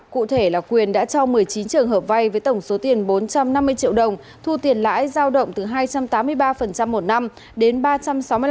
cụ thể là quyền đã cho một mươi chín trường hợp vay với tổng số tiền bốn trăm năm mươi triệu đồng thu tiền lãi giao động từ hai trăm tám mươi ba một năm